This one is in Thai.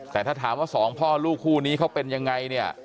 แต่ถ้าถามว่าสองพ่อลูกคู่นี้เขาเป็นยังไงเนี่ย